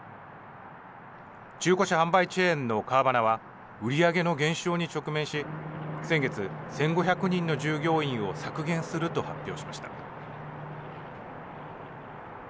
中古車販売チェーンのカーバナは売り上げの減少に直面し先月１５００人の従業員を削減すると発表しました。